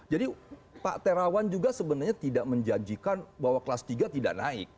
jadi pak terawan juga sebenarnya tidak menjanjikan bahwa kelas tiga tidak naik